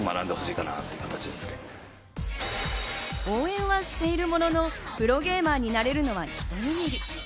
応援はしているものの、プロゲーマーになれるのは、ひと握り。